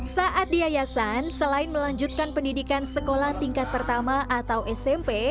saat di yayasan selain melanjutkan pendidikan sekolah tingkat pertama atau smp